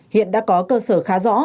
hiện đã có cơ sở khá rõ